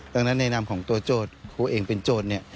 ดังนั้นในนามของตัวโจทย์ครูเองเป็นโจทย์เนี่ย